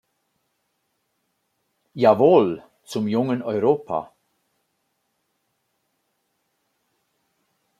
Jawohl, zum jungen Europa.